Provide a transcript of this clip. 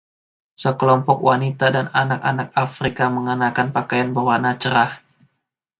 Sekelompok wanita dan anak-anak Afrika mengenakan pakaian berwarna cerah.